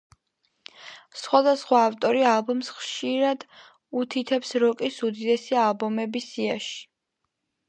სხვადასხვა ავტორი ალბომს ხშირად უთითებს როკის უდიდესი ალბომები სიებში.